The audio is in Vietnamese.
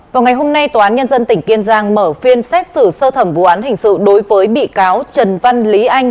vào ngày hôm nay tòa án nhân dân tỉnh kiên giang mở phiên xét xử sơ thẩm vụ án hình sự đối với bị cáo trần văn lý anh